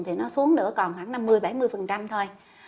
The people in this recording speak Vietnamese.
thì nó xuống nữa còn khoảng năm mươi bảy mươi thôi